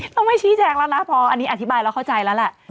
ต้องไม่ชี้แจงแล้วนะพออันนี้อธิบายแล้วเข้าใจแล้วแหละ